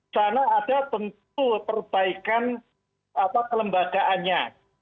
sana ada tentu perbaikan kelembagaannya